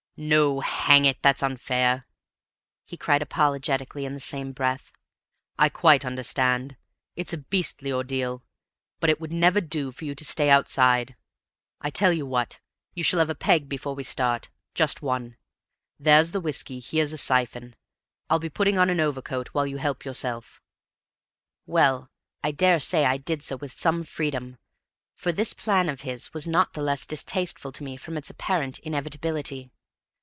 "No, hang it, that's unfair!" he cried apologetically in the same breath. "I quite understand. It's a beastly ordeal. But it would never do for you to stay outside. I tell you what, you shall have a peg before we start just one. There's the whiskey, here's a syphon, and I'll be putting on an overcoat while you help yourself." Well, I daresay I did so with some freedom, for this plan of his was not the less distasteful to me from its apparent inevitability.